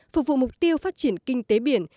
phục vụ mục tiêu phát triển kinh tế biển